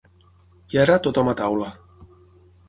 I ara, tothom a taula.